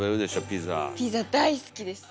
ピザ大好きです。